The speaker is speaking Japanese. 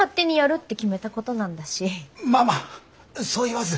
まあまあそう言わず。